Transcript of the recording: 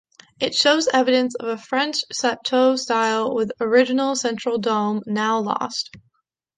It shows evidence of a French chateau style, with original central dome, now lost.